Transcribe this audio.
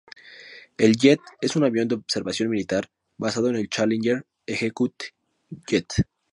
El jet es un avión de observación militar basado en el Challenger executive jet.